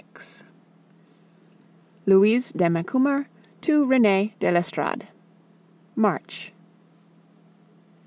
XXVI. LOUISE DE MACUMER TO RENEE DE L'ESTORADE March.